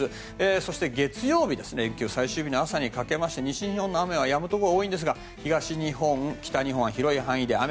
そして、月曜日連休最終日の朝にかけまして西日本の雨はやむところが多いんですが東日本、北日本は広い範囲で雨。